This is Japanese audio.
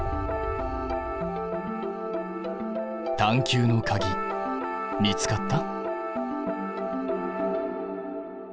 探究のかぎ見つかった？